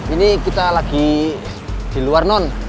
ini kita lagi di luar non